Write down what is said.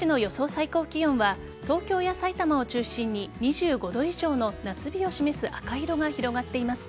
最高気温は東京や埼玉を中心に２５度以上の夏日を示す赤色が広がっています。